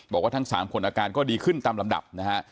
บอกว่าทั้ง๓คนอาการก็ดีขึ้นตามลำดับนะฮะ